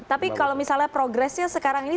tapi kalau misalnya progresnya sekarang ini